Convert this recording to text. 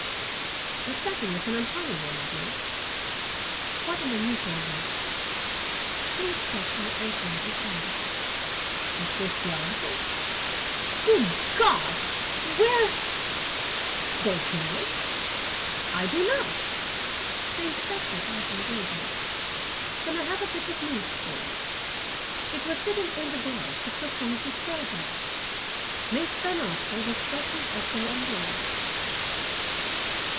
"The setting was an uncommon one, I hear." "Quite an unusual one." The inspector opened his hand. "Is this the article?" "Good God! Where—" "Don't you know?" "I do not." The inspector eyed him gravely. "Then I have a bit of news for you. It was hidden in the gloves you took from Mrs. Fairbrother. Miss Van Arsdale was present at their unrolling."